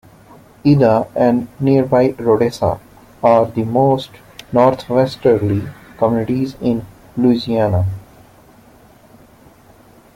Ida and nearby Rodessa are the most northwesterly communities in Louisiana.